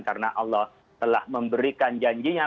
karena allah telah memberikan janjinya